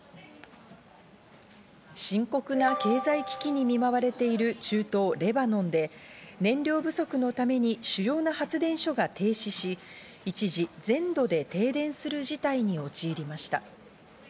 深刻な経済危機に見舞われてる中東レバノンで燃料不足のために主要な発電所が停止し一時、全土で停電する事態に陥りました。